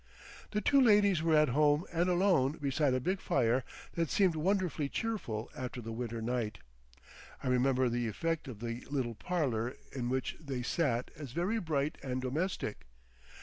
The two ladies were at home and alone beside a big fire that seemed wonderfully cheerful after the winter night. I remember the effect of the little parlour in which they sat as very bright and domestic.